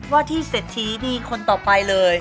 ว่าที่เสร็จทีมีคนต่อไปเลย